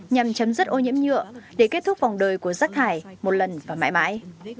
nhằm chấm dứt ô nhiễm nhựa để kết thúc vòng đời của rác thải một lần và mãi mãi